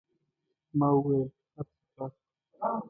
ما و ویل: هر څه خلاص دي.